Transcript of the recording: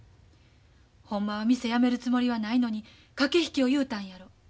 ほんまは店やめるつもりはないのに駆け引きを言うたんやろ。